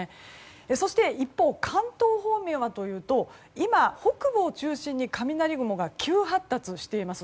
そして、一方関東方面はというと今、北部を中心に雷雲が急発達しています。